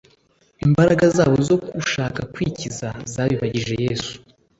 Imbaraga zabo zo gushaka kwikiza zabibagije Yesu,